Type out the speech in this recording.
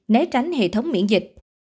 ba né tránh hệ thống miễn dịch